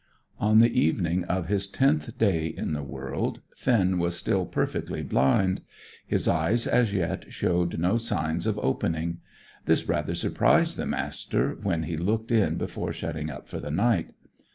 On the evening of his tenth day in the world, Finn was still perfectly blind. His eyes as yet showed no signs of opening. This rather surprised the Master, when he looked in before shutting up for the night.